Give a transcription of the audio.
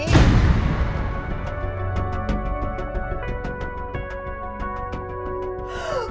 untung ada om alex